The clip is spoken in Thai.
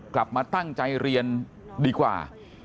กลับมาตั้งใจเรียนดีกว่า